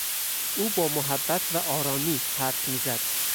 او با محبت و آرامی حرف میزد.